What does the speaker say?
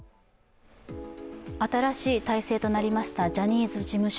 新しい体制となりましたジャニーズ事務所。